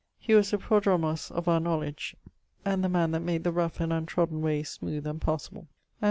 He was the Πρόδρομος of our knowledge, and the man that made the rough and untrodden wayes smooth and passable.